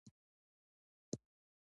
آیا د سره صلیب فعالیتونه روان دي؟